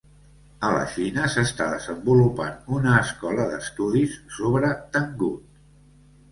A la Xina s'està desenvolupant una escola d'estudis sobre tangut.